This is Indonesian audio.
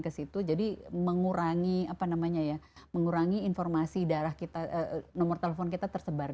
ke situ jadi mengurangi apa namanya ya mengurangi informasi darah kita nomor telepon kita tersebar